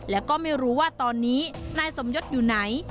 และก็ไม่รู้ว่าตอนนี้นายสมยศอยู่ไหน